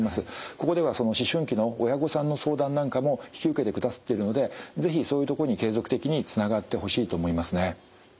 ここでは思春期の親御さんの相談なんかも引き受けてくださっているので是非そういうとこに継続的につながってほしいと思いますね。